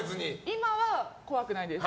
今は怖くないです。